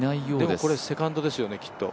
でもこれセカンドですよねきっと。